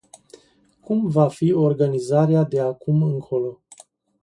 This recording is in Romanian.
Cum va fi organizarea de acum încolo?